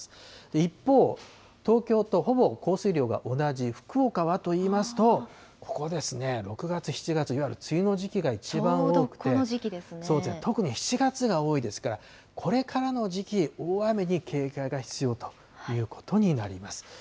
一方、東京と、ほぼ降水量が同じ福岡はといいますと、ここですね、６月、７月、いわゆる梅雨の時期が一番多くて、特に７月が多いですから、これからの時期、大雨に警戒が必要ということになります。